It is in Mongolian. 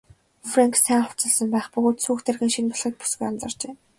Фрэнк сайн хувцасласан байх бөгөөд сүйх тэрэг нь шинэ болохыг бүсгүй анзаарчээ.